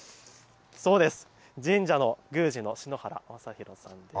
神社の宮司の篠原政弘さんです。